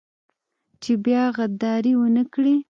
چې بيا غداري ونه کړي.